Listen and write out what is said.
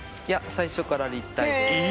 いや最初から立体で。